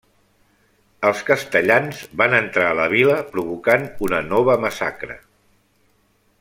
Els castellans van entrar a la vila provocant una nova massacre.